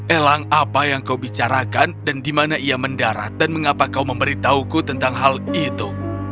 elang apa yang kau bicarakan dan di mana ia mendarat dan mengapa kau memberitahuku tentang hal itu